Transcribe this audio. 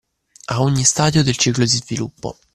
A ogni stadio del ciclo di sviluppo.